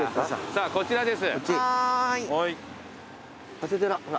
さあこちらです。